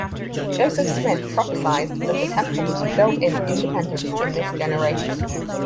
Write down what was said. Joseph Smith prophesied that a temple would be built in Independence "in this generation".